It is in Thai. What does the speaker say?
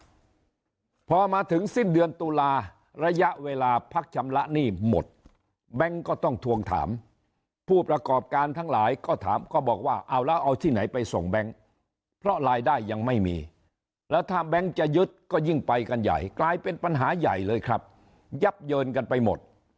พอมาถึงสิ้นเดือนตุลาระยะเวลาพักชำระหนี้หมดแบงค์ก็ต้องทวงถามผู้ประกอบการทั้งหลายก็ถามก็บอกว่าเอาแล้วเอาที่ไหนไปส่งแบงค์เพราะรายได้ยังไม่มีแล้วถ้าแบงค์จะยึดก็ยิ่งไปกันใหญ่กลายเป็นปัญหาใหญ่เลยครับยับเยินกันไปหมด